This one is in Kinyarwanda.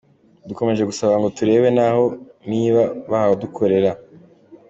Dukomeje gusaba ngo turebe naho niba bahadukorera.